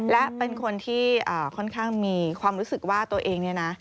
และเป็นคนที่ค่อนข้างมีความรู้สึกว่าตัวเองเนี่ยนะ